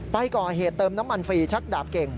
ไปก่อเหตุเติมน้ำมันฟรีชักดาบเก่ง